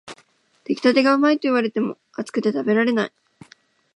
出来たてがうまいと言われても、熱くて食べられない